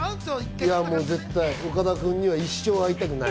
岡田君には一生会いたくない。